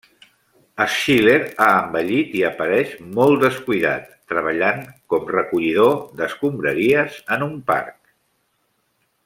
Schiller ha envellit i apareix molt descuidat, treballant com recollidor d'escombraries en un parc.